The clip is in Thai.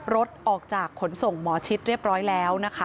รถออกจากขนส่งหมอชิดเรียบร้อยแล้วนะคะ